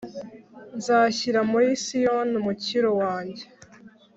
nzashyira muri siyoni umukiro wanjye,